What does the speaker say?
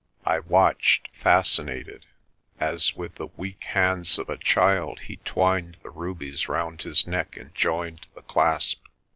I watched, fascinated, as with the weak hands of a child he twined the rubies round his neck and joined the clasp.